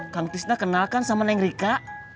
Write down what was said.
kang pistna kenalkan sama neng rika